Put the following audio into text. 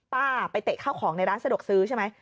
ป้าไปเตะเข้าของในร้านสะดวกซื้อใช่ไหม